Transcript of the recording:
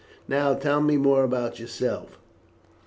"Now tell me more about yourself.